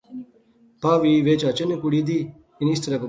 با وی وہے چچا نی کڑی دی